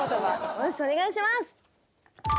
よしお願いします！